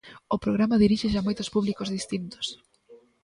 O programa diríxese a moitos públicos distintos.